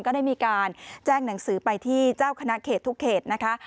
ก็ได้มีการแจ้งหนังสือไปที่เจ้าคณะเขตทุกเขตนะคะ